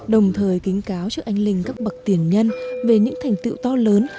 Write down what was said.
đồng thời kính cáo cho anh linh các bậc tiền nhân về những thành tựu to lớn